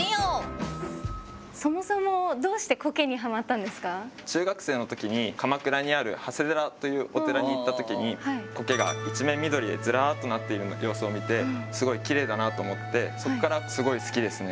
そもそも中学生の時に鎌倉にある長谷寺というお寺に行った時にコケが一面緑でズラーッとなっている様子を見てすごいキレイだなと思ってそこからすごい好きですね。